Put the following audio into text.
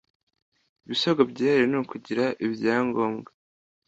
Ibisabwa byihariye nukugira ibyangombwa.